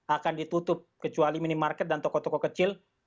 akan ditutup kecuali minimarket dan toko toko kecil